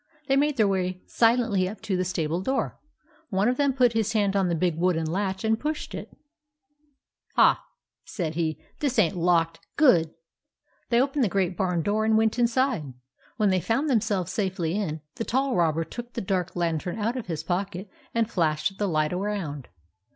They made their way silently up to the stable door. One of them put his hand on the big wooden latch and pushed it. They made their way silently up to the stable door. '■'<'".', THE ROBBERS 49 "Ha!" said he. "This ain't locked. Good !" They opened the great barn door and went inside. When they found themselves safely in, the tall robber took the dark lantern out of his pocket and flashed the light around.